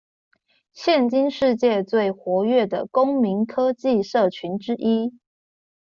現今世界最活躍的公民科技社群之一